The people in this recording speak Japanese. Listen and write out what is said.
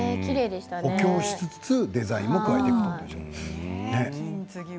補強しつつデザインも加えていくと。